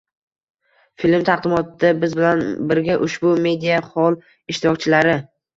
Film taqdimotida biz bilan birga ushbu “Media xoll” ishtirokchilari